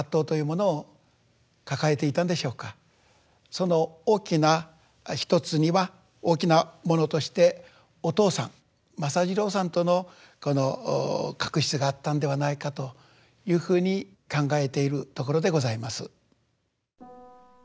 その大きなひとつには大きなものとしてお父さん政次郎さんとのこの確執があったんではないかというふうに考えているところでございます。